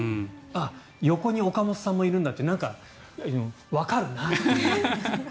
横に岡本さんもいるんだってわかるなという。